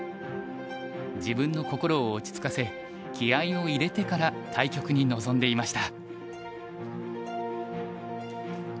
自分の心を落ち着かせ気合いを入れてから対局に臨んでいました。